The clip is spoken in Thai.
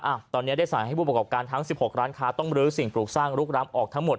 ตอนนี้ได้สั่งให้ผู้ประกอบการทั้ง๑๖ร้านค้าต้องลื้อสิ่งปลูกสร้างลุกล้ำออกทั้งหมด